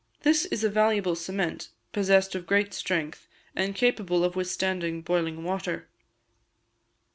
This is a valuable cement, possessed of great strength, and capable of withstanding boiling water.